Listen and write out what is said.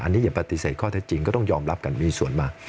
อันนี้อย่าปฏิเสธข้อเท็จจริงก็ต้องยอมรับกันมีส่วนมาก